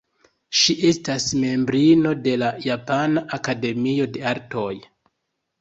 Ŝi estas membrino de la Japana Akademio de Artoj.